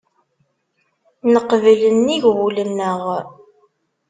Neqbel nnig wul-nneɣ.